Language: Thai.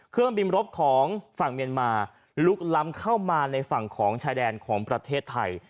เครื่องบินรบของฝั่งเมียนมาลุกล้ำเข้ามาในฝั่งของชายแดนของประเทศไทย